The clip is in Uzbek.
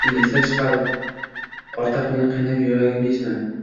meni esdan chiqar, ortiq meni qiynab yuragimni ezma…